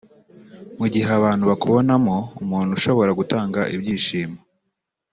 Mu gihe abantu bakubonamo umuntu ushobora gutanga ibyishimo